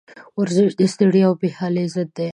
ورزش د ستړیا او بېحالي ضد دی.